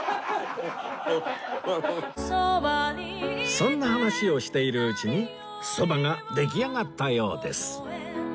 そんな話をしているうちにそばが出来上がったようです